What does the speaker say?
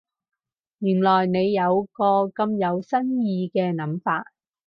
原來你有個咁有新意嘅諗法